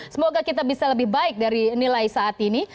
semoga kita bisa lebih baik dari nilai saat ini